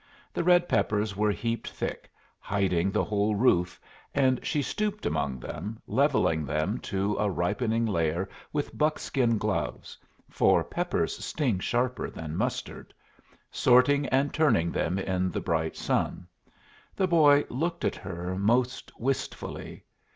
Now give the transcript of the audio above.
The red peppers were heaped thick, hiding the whole roof, and she stooped among them, levelling them to a ripening layer with buckskin gloves (for peppers sting sharper than mustard), sorting and turning them in the bright sun. The boy looked at her most wistfully.